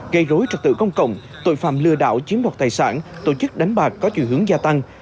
gây rối trật tự công cộng tội phạm lừa đảo chiếm đoạt tài sản tổ chức đánh bạc có chiều hướng gia tăng